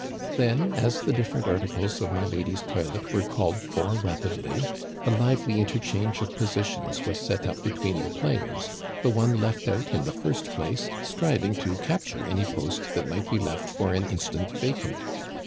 Then, as the different articles of my lady's toilet were called for rapidly, a lively interchange of po sitions was set up between the players, the one left out în the first place striving to capture any post that might be left for an instant vacant.